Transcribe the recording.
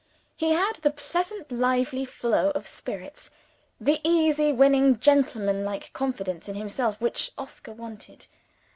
He had the pleasant lively flow of spirits, the easy winning gentleman like confidence in himself, which Oscar wanted.